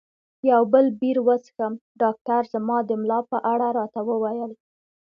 یو بل بیر وڅښم؟ ډاکټر زما د ملا په اړه راته وویل.